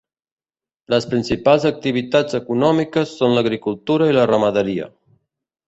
Les principals activitats econòmiques són l'agricultura i la ramaderia.